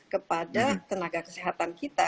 kepada tenaga kesehatan kita